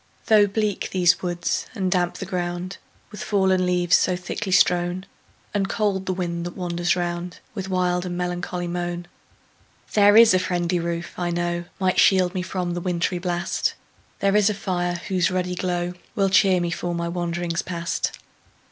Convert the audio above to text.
Though bleak these woods, and damp the ground With fallen leaves so thickly strown, And cold the wind that wanders round With wild and melancholy moan; There IS a friendly roof, I know, Might shield me from the wintry blast; There is a fire, whose ruddy glow Will cheer me for my wanderings past.